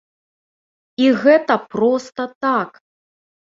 І гэта проста так.